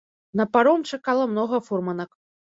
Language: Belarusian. На паром чакала многа фурманак.